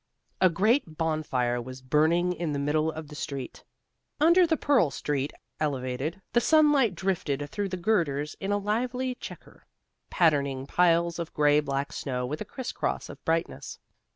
A great bonfire was burning in the middle of the street. Under the Pearl Street elevated the sunlight drifted through the girders in a lively chequer, patterning piles of gray black snow with a criss cross of brightness.